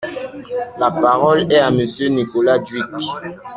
La parole est à Monsieur Nicolas Dhuicq.